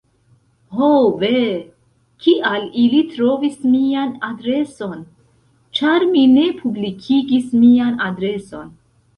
Ho ve, kial ili trovis mian adreson? ĉar mi ne publikigis mian adreson.